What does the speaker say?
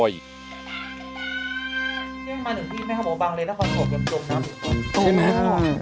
ยังจมน้ำอยู่ตอนนี้